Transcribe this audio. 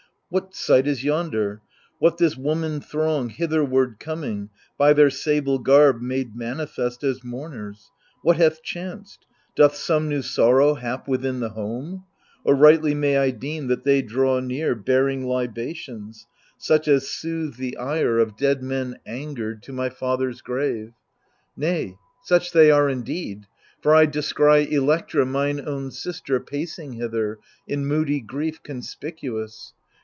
What sight is yonder ? what this woman throng Hitherward coming, by their sable garb Made manifest as mourners ? What hath chanced ? Doth some new sorrow hap within the home ? Or rightly may I deem that they draw near Bearing libations, such as soothe the ire G 82 THE LIBATION BEARERS Of dead men angered, to my father's grave ? Nay, such they are indeed ; for I descry Electra mine own sister pacing hither, In moody grief conspicuous.